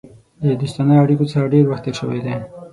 د دوستانه اړېکو څخه ډېر وخت تېر شوی دی.